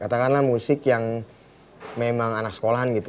katakanlah musik yang memang anak sekolahan gitu